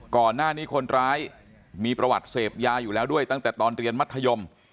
ก่อนหน้านี้คนร้ายมีประวัติเสพยาอยู่แล้วด้วยตั้งแต่ตอนเรียนมัธยม